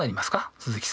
鈴木さん。